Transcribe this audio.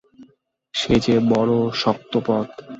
সে যে বড়ো শক্ত পথ।